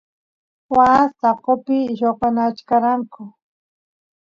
waas taqopi lloqanachkaranku